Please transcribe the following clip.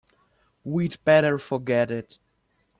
We'd better forget it.